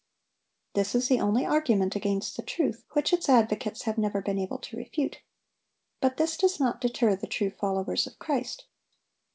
This is the only argument against the truth which its advocates have never been able to refute. But this does not deter the true followers of Christ.